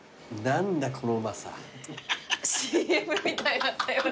「何だこのうまさ」